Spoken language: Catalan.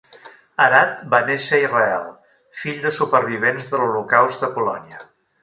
Arad va néixer a Israel, fill de supervivents de l'Holocaust de Polònia.